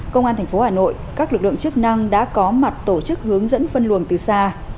công an tp hà nội các lực lượng chức năng đã có mặt tổ chức hướng dẫn phân luồng từ xa